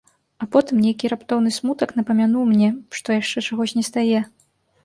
А потым нейкі раптоўны смутак напамянуў мне, што яшчэ чагось на стае.